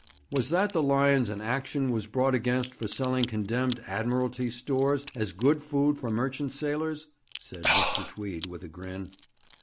'Was that the Lyons an action was brought against for selling condemned Admiralty stores as good food for merchant sailors?' said Mr. Tweed, with a grin.